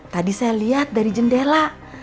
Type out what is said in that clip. tadi saya lihat dari jendela